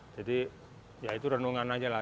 jadi ya itu renungan aja lah